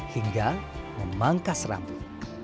hingga memangkas rambut